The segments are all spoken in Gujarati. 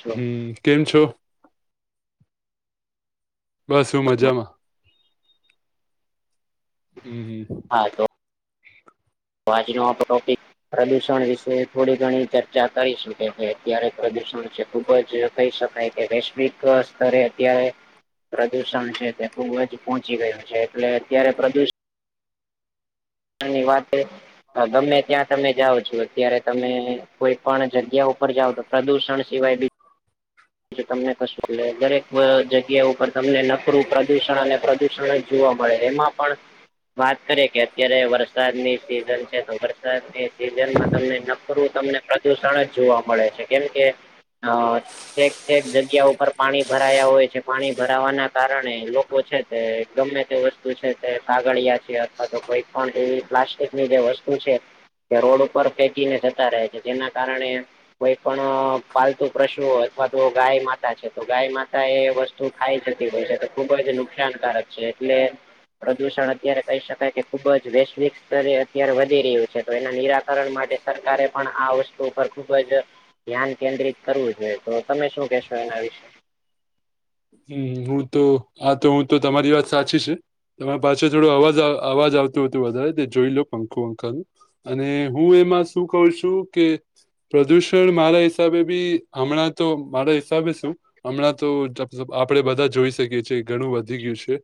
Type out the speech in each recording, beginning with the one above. છું હમ કેમ છો? બસ હું મજામાં. હમ હમ હા તો તો આજનો આપણો ટોપિક પ્રદુષણ વિશે થોડી ઘણી ચર્ચા કરીશું કેમ કે અત્યારે પ્રદુષણ જે ખુબ જ કહી શકાય કે વૈશ્વિક સ્તરે અત્યારે પ્રદૂષણ છે તે ખુબ જ પહોંચી ગયું છે. એટલે અત્યારે પ્રદુષ ની વાતે હવે ગમે ત્યાં તમે જાઓ છો અત્યારે તમે કોઈ પણ જગ્યા ઉપર જાવ તો પ્રદુષણ સિવાય બી જુ તમને કશું એટલે દરેક જગ્યા ઉપર તમને નકરું પ્રદુષણ અને પ્રદુષણ જ જોવા મળે. એમાં પણ વાત કરીએ કે અત્યારે વરસાદની સિઝન છે તો વરસાદની સિઝનમાં તમને નકરું તમને પ્રદુષણ જ જોવા મળે છે. કેમ કે અ ઠેક ઠેક જગ્યા ઉપર પાણી ભરાયા હોય છે. પાણી ભરાવાના કારણે લોકો છે તે ગમે તે વસ્તુ છે તે કાગળિયા છે અથવા તો કોઈ પણ એવી પ્લાસ્ટિકની જે વસ્તુ છે. કે રોડ ઉપર ફેંકીને જતા રહે છે. જેના કારણે કોઈ પણ પાલતુ પ્રશુઓ અથવા તો ગાય માતા છે તો ગાય માતા એ વસ્તુ ખાઈ જતી હોય છે તો ખુબ જ નુકસાનકારક છે. એટલે પ્રદૂષણ અત્યારે કહી શકાય કે ખુબ જ વૈશ્વિક સ્તરે અત્યારે વધી રહ્યું છે. તો એના નિરાકરણ માટે સરકારે પણ આ વસ્તુ ઉપર ખુબ જ ધ્યાન કેન્દ્રિત કરવું જોઈએ. તો તમે શું કેહેશો એના વિશે? હમ હું તો આ તો હું તો તમારી વાત સાચી છે. તમારા પાછળ થોડો અવાજ અવાજ આવતું હતું વધારે તે જોઈ લો પંખો વાંખાનું. અને હું એમાં શું કઉ છું કે પ્રદૂષણ મારા હિસાબે બી હમણાં તો મારા હિસાબે શું હમણાં તો જબ આપણે બધા જોઈ શકીએ છીએ, ઘણું વધી ગયું છે.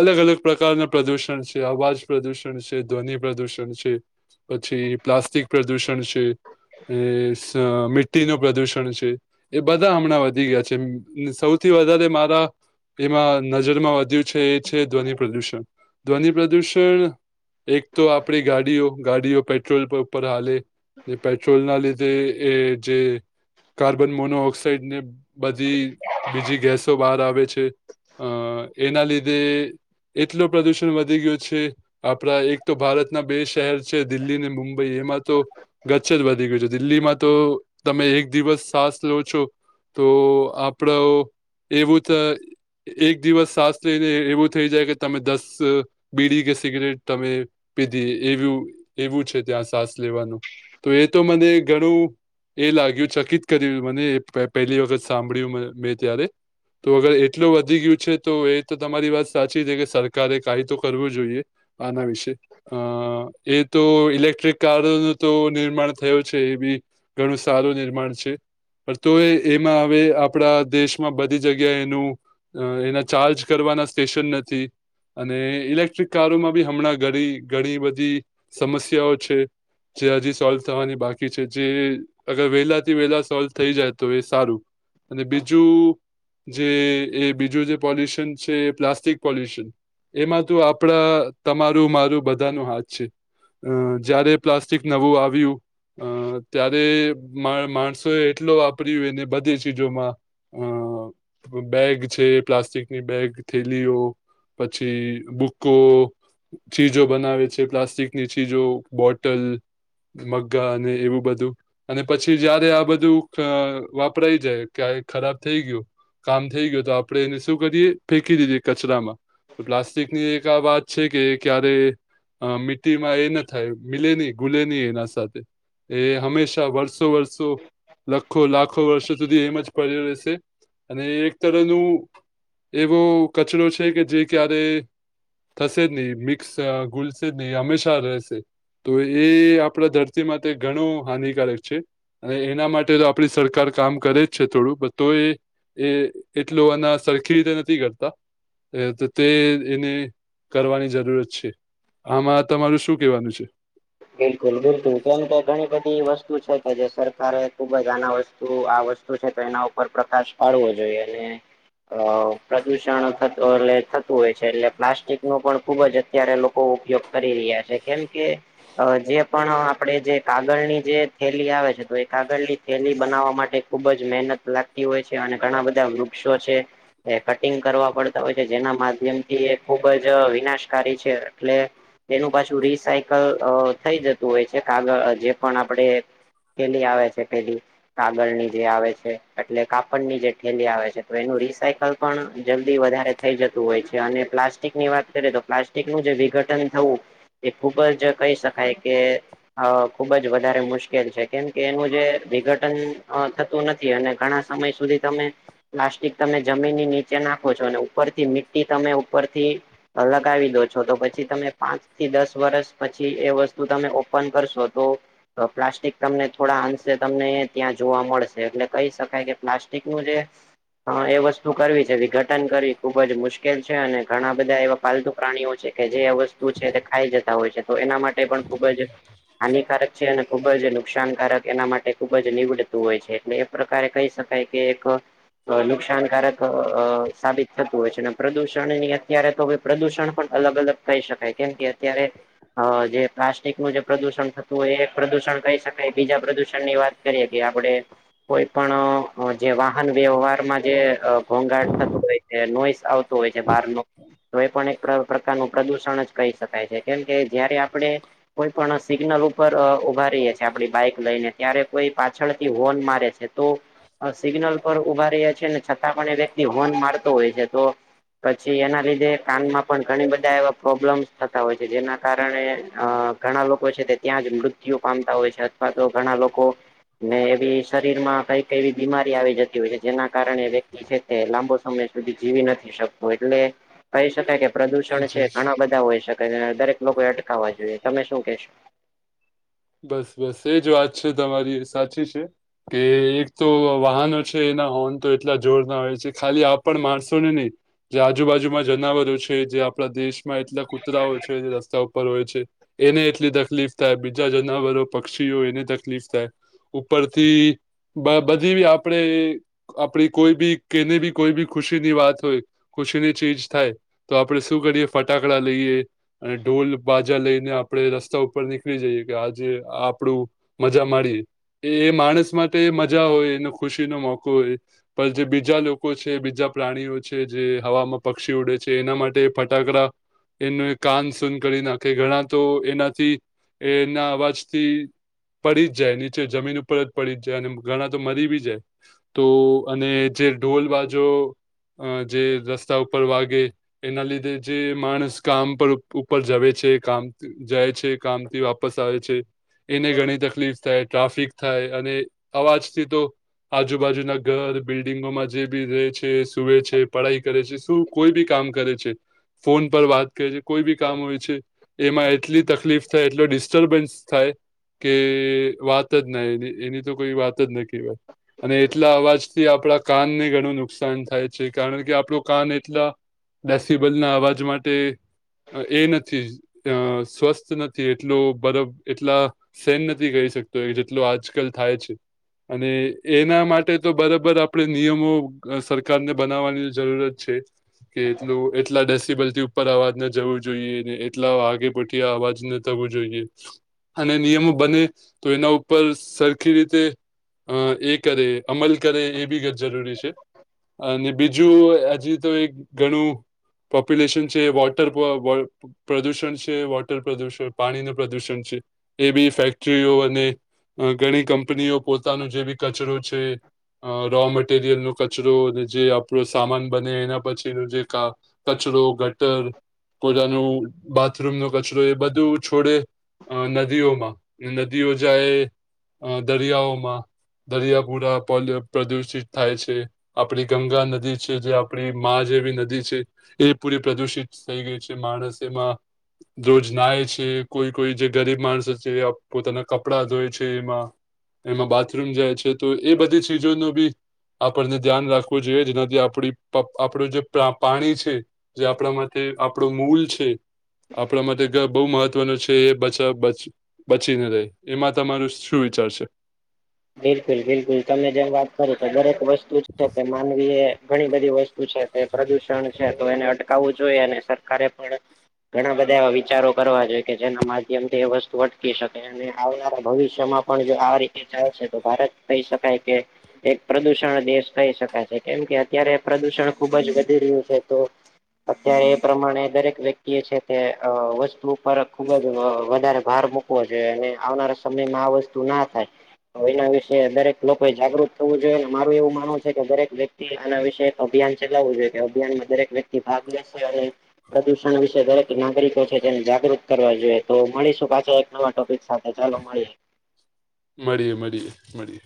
અલગ અલગ પ્રકારના પ્રદુષણ છે, અવાજ પ્રદુષણ છે, ધ્વનિ પ્રદુષણ છે. પછી પ્લાસ્ટિક પ્રદૂષણ છે. એ સ મિટીનું પ્રદુષણ છે, એ બધા હમણાં વધી ગયા છે. ને સૌ થી વધારે મારા એમાં નજરમાં વધ્યું. છે એ છે ધ્વનિ પ્રદુષણ ધ્વનિ પ્રદૂષણ એક તો આપડી ગાડીઓ ગાડીઓ પેટ્રોલ ઉપર હાલે પેટ્રોલ ના લીધે જે એ જે કાર્બન મોનો ઓક્સાાઈડ ને બધી બીજી ગેસો બહાર આવે છે અ એના લીધે એટલો પ્રદુષણ વધી ગયો છે. આપણા એક તો ભારતના બે શહેર છે દિલ્હી અને મુંબઈ એમાં તો ગચ જ વધી ગયું છે દિલ્હીમાં તો તમે એક દિવસ સાસ લો છો તો આપડે એવું ત એક દિવસ સાસ લઈને એવું થઈ જાય કે તમે દસ બીડી કે સિગરેટ તમે પીધી એવું એવું છે ત્યાં સાસ લેવાનું તો એ તો મને ઘણું એ લાગ્યું ચકિત કર્યું મને એ પહેલી વખત સાંભળ્યું મેં ત્યારે તો અગર એટલું વધી ગયું છે તો એ તો તમારી વાત સાચી છે કે સરકારે કાય તો કરવું જોઈએ આના વિશે. અ એ તો ઇલેક્ટ્રિક કાર તો નિર્માણ થયું છે એ બી ઘણું સારું નિર્માણ છે પણ તો એ એમાં હવે આપણા દેશમાં બધી જગ્યા એનું એના ચાર્જ કરવાના સ્ટેશન નથી અને ઇલેક્ટ્રિક કારોમાં બી હમણાં ઘણી ઘણી બધી સમસ્યાઓ છે જે હજી સોલ્વ થવાની બાકી છે જે અગર વહેલા થી વેલા સોલ્વ થઈ જાય તો એ સારું અને બીજું જે એ બીજું જે પોલ્યુશન છે પ્લાસ્ટિક પોલ્યુશન એમાં તો આપડા તમારું મારું બધા નો હાથ છે. અ જયારે પ્લાસ્ટિક નવું આવ્યું અ ત્યારે મા માણસો એ એટલો વાપર્યું એને બધે જ ચીજોમાં અ બેગ છે, પ્લાસ્ટિકની બેગ થેલીઓ પછી બુકો ચીજો બનાવે છે પ્લાસ્ટિકની ચીજો બોટલ મગા અને એવું બધું અને પછી જયારે આ બધું અ વાપરાય જાય ક્યારેક ખરાબ થઈ ગયું કામ થઈ ગયું તો આપડે એને શું કરીએ ફેંકી દીધી કચરામાં તો પ્લાસ્ટિકની એક આ વાત છે કે ક્યારે અ મીટી માં એ ના થાય મિલે નહીં ગૂલે નહી એના સાથે એ હંમેશા વર્ષો વર્સો લાખો લાખો વર્ષો સુધી એમ જ પડ્યું રહેશે અને એક તરનું એવો કચરો છે કે જે ક્યારે થશે જ નહી મિક્સ ગુલશે જ નહી હંમેશા રહેશે તો એ આપણા ધરતી માટે ઘણું હાનિકારક છે. અને એના માટે તો આપડી સરકાર કામ કરે જ છે થોડું બ તો એ એ એટલો આના સરખી રીતે નથી કરતા તો તે એને કરવાની જરૂરત છે આમાં તમારું શું કેવાનું છે? બિલકુલ બિલકુલ કેમ કે ઘણી બધી વસ્તુ છે કે જે સરકારે ખુબ જ આના વસ્તુ આ વ સ્તુ છે તો એના ઉપર પ્રકાશ પાડવો જોઈએ અને અ પ્રદુષણ થત એટલે થતું હોય છે એટલે પ્લાસ્ટિક નું પણ ખુબ જ અત્યારે લોકો ઉપયોગ કરી રહ્યા છે કેમ કે અ જે પણ આપણે જે કાગળની જે થેલી આવે છે તો એ કાગળની થેલી બનાવવા માટે ખુબ જ મહેનત લાગતી હોય છે અને ઘણા બધા વૃક્ષો છે એ કટિંગ કરવા પડતા હોય છે જેના માધ્યમ થી એ ખુબ જ વિનાશકારી છે એટલે એનું પાછું રિસાયકલ થઈ જતું હોય છે કાગળ જે પણ આપડણે પેલી આવે છે પેલી કાગળની જે આવે છે એટલે કાપડની જે ેલી આવે છે તો એનું રિસાયકલ પણ જલ્દી વધારે થઈ જતું હોય છે અને પ્લાસ્ટિકની વાત કરીએ તો પ્લાસ્ટિક નું જે વિઘટન થવું એ ખુબ જ કહી શકાય કે. અ ખુબ જ વધારે મુશ્કેલ છે કેમ કે એનું જે વિઘટન. થતું નથી અને ઘણા સમય સુધી તમે. પ્લાસ્ટિક તમે જમીનની નીચે નાખો છો અને ઉપરથી મીટી તમે ઉપરથી. અ લગાવી દો છો તો પછી તમે પાંચ થી દસ વરષ. પછી એ વસ્તુ તમે ઓપન કરશો તો. તો પ્લાસ્ટિક તમને થોડા અંશે તમને ત્યાં જોવા મળશે એટલે કહી શકાય કે પ્લાસ્ટિકનું જે. હા એ વસ્તુ કરવી છે વિઘટન કરવી ખુબ જ મુશ્કેલ છે અને ઘણા બધા એવા પાલતુ પ્રાણીઓ છે. કે જે વસ્તુ છે તે ખાઈ જતા હોય છે તો એના માટે પણ ખુબ જ. હાનિકારક છે અને ખુબ જ નુકસાનકારક એના માટે ખુબ જ નીવડતું હોય છે એટલે. પ્રકારે કહી શકાય કે એક. નુકસાનકારક અ સાબિત થતું હોય છે અને પ્રદુષણની અત્યારે તો. પ્રદૂષણ પણ અલગ અલગ કઈ શકાય કેમ કે અત્યારે. અ જે પ્લાસ્ટિક નું જે પ્રદુષણ થતું હોય એ પ્રદુષણ કહી શકાય બીજા પ્રદુષણ ની વાત. કરીએ કે આપડે. કોઈ પણ જે વાહન વ્યવહારમાં જે ઘોંઘાટ થતું હોય. કે નોઈસ આવતો હોય છે બહાર નો. તો એ પણ એક પ્રકારનું પ્રદુષણ જ કહી શકાય છે કેમ કે જયારે આપણે. કોઈ પણ સિગ્નલ ઉપર ઉભા રહીએ છીએ આપડી બાઈક લઈને ત્યારે કોઈ પાછળથી હોર્ન મારે છે. તો સિગ્નલ પર ઉભા રહ્યા છે ને છતાં પણ એ વ્યક્તિ હોર્ન મારતો હોય છે તો. પછી એના લીધે કાનમાં પણ ઘણી બધા એવા પ્રોબ્લેમ્સ થતા હોય છે જેના. કારણે અ ઘણા લોકો છે તે ત્યાં જ મૃત્યુ પામતા હોય છે અથવા તો ઘણા લોકો. ને એવી શરીરમાં કઈ ક એવી બીમારી આવી જતી હોય છે જેના કારણે વ્યક્તિ. તે લાંબો સમય સુધી જીવી નથી શકતો એટલે. કહી શકાય કે એ પ્રદુષણ જ છે એ જ ઘણા બધા હોય શકાય દરેક લોકો એ અટકાવવા જોઈએ તમે શું કેશો. બસ બસ એજ વાત છે તમારી સાચી છે. કે એક તો વાહનો છે એના હોર્ન તો એટલા જોર ના હોય છે ખાલી આપણ માણસો ને નહી. જે આજુબાજુમાં જનાવરો છે જે આપણા દેશ. એટલા કુતરાઓ છે રસ્તા ઉપર હોય છે એને એટલી તકલીફ થાય બી. બીજા જનાવરો પક્ષીઓ એને તકલીફ થાય ઉપરથી. બ બધી આપડે. આપણી કોઈ બી કેની બી કોઈ બી ખુશીની વાત હોય ખુશી ની ચીજ થાય. તો આપણે શું કરીએ ફટાકડા લઈએ. અને ઢોલ બાજા લઈ ને આપડે રસ્તા ઉપર નીકળી જઈએ. કે આજે આપડું મજા માડીએ. એ એ માણસ માટે મજા હોય એનો ખુશીનો મોકો હોય. પણ જે બીજા લોકો છે બીજા પ્રાણીઓ છે જે હવામાં પક્ષી ઉડે છે એના માટે ફટાકડા. એનું કાન સુન કરી નાખે ઘણા તો એનાથી. એના અવાજથી. પડી જ જાય નીચે જમીન ઉપર જ પડી જાય અને ઘણા તો મરી બી જાય. તો અને જે ઢોલ બાજો જે રસ્તા ઉપર વાગે. એના લીધે જે માણસ કામ પર ઉપર જવે છે કામ જાય છે કામથી. સ આવે છે એને ઘણી તકલીફ થાય ટ્રાફિક થાય અને અવાજથી તો. આજુબાજુના ઘર બિલ્ડિંગોમાં જે બી રહે છે સુવે છે પઢાઈ કરે છે શું. કોઈ બી કામ કરે છે ફોન પર વાત. કે જે કોઈ બી કામ હોય છે એમાં એટલી તકલીફ થાય એટલો ડિસ્ટર્બન્સ થાય. કે વાત જ ના એની એની તો કોઈ વાત જ ન કહેવાય. અને એટલા અવાજથી આપણા કાનને ઘણું નુકસાન થાય છે કારણ કે આપણું કાન એટલા. ડસીબલ ના અવાજ માટે. એ નથી સ્વસ્થ નથી એટલો. બરોબર, એટલા સેન નથી કહી શકતો જેટલો, આજકાલ થાય છે. અને એના માટે તો, બરાબર આપણે નિયમો સરકારને બનાવવાની જરૂરત છે. કે એટલું એટલા ડેસિબલથી ઉપર અવાજ ન જવું જોઈએ, ને એટલા આગે પઠી અવાજને. કરવું જોઈએ, અને નિયમો બંને તો એના ઉપર સરખી રીતે. અ એક કરે, અમલ કરે, એ બી જરૂરી છે. અને બીજું હજી તો, એક ઘણું. પોપ્યુલેશન છે, વોટર પ્રદુષણ છે, વોટર પ્રદુષણ પાણીને. પ્રદૂષણ છે, એવી ફેક્ટરીઓ અને ઘણી કંપનીઓ પોતાનું જેવી. કચરો છે. અરો મટીરિયલનો કચરો અને જે આપણો સામાન બંને એના પછીનું જે કામ. કચરો, ગટર, કોરાનું, બાથરૂમનો કચરો એ બધું છોડે. અ નદીઓમાં, નદીઓ જાય, દરિયાઓમાં. દરિયા પુરા પ્રદુષિત થાય છે. આપણી ગંગા નદી છે, જે આપણીમાં જેવી નદી છે. એ પૂરી પ્રદુષિત થઈ ગઈ છે, માણસ એમાં રોજ નાય છે. કોઈ કોઈ જે ગરીબ માણસ છે, પોતાના કપડાં ધોય છે, એમાં. એમાં બાથરૂમ જાય છે, તો એ બધી ચીજોનો બી. આપણને ધ્યાન રાખવું જોઈએ, જેનાથી આપડી આપણું જે પાણી છે. જે આપણા માટે આપણો મૂલ છે, આપણા માટે બહુ મહત્વનો છે. કે એ બચાવ બચ બચીને રહે, એમાં તમારું શું વિચાર છે? બિલકુલ, બિલકુલ. તમે જેમ વાત કરો, તો દરેક વસ્તુ છે, કે માનવીએ. ઘણી બધી વસ્તુ છે, તે પ્રદુષણ છે, તો એને અટકાવવું જોઈએ અને સરકારે પણ. ઘણા બધા એવા વિચારો કરવા જોઈએ કે, જેના માધ્યમથી એ વસ્તુ અટકી શકે, અને આવનારા ભવિષ્યમાં. પણ જોઆ રીતે ચાલશે, તો ભારત કહી શકાય કે એક પ્રદુષણ દેશ કહી શકાય છે, કેમ કે અત્યારે પ્રદુષણ ખુબ જ વધી રહ્યું છે, તો. અત્યારે એ પ્રમાણે દરેક વ્યક્તિએ છે, તે વસ્તુ. પર ખુબ જ વધારે ભાર મૂકવો જોઈએ, અને આવનારા સમયમાં આ વસ્તુ ના થાય. તો એના વિશે દરેક લોકોએ જાગૃત થવું જોઈએ, અને મારું એવું માનવ છે, કે દરેક વ્યક્તિ આના વિશે. અભિયાન ચલાવું જોઈએ કે, અભિયાનમાં દરેક વ્યક્તિ ભાગ લેશે, અને પ્રદૂષણ વિશે દરેક નાગરિકો છે, તેને જાગૃત કરવા જોઈએ, તો મળીશું પાછા એક નવા ટોપિક સાથે. હા, ચાલો મળી. મળીએ, મળીએ, મળીએ.